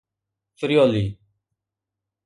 فريولي